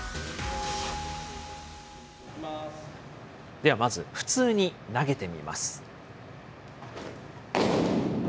ではまず普通に投げてみます。